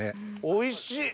おいしい！